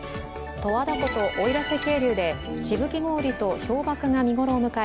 十和田湖と奥入瀬渓流でしぶき氷と氷ばくが見頃を迎え